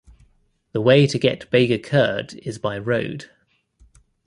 The way to get Bega Khurd is by road.